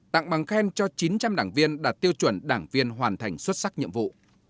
tặng bằng khen cho chín trăm linh đảng viên đạt tiêu chuẩn đảng viên hoàn thành xuất sắc nhiệm vụ